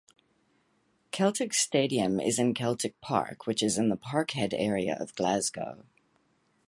Celtic's stadium is Celtic Park, which is in the Parkhead area of Glasgow.